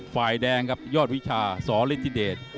ฝ่ายแดงครับยอดวิชาสฤทธิเดช